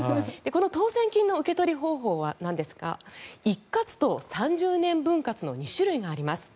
この当選金の受け取り方法なんですが一括と３０年分割の２種類があります。